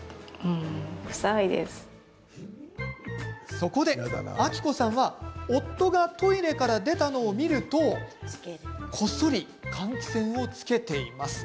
そこで、晶子さんは夫がトイレから出たのを見るとこっそり換気扇をつけています。